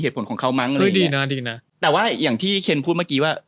ผลของเขามั้งดีนะดีนะแต่ว่าอย่างที่เคนพูดเมื่อกี้ว่า